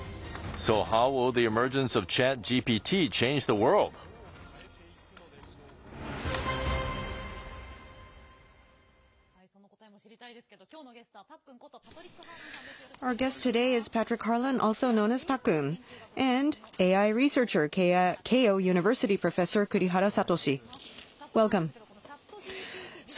その答えも知りたいですけどきょうのゲストはパックンことパトリック・ハーランさんです。